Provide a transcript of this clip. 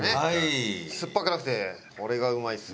酸っぱくなくてこれがうまいんですよ。